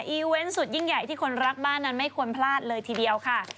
เวนต์สุดยิ่งใหญ่ที่คนรักบ้านนั้นไม่ควรพลาดเลยทีเดียวค่ะ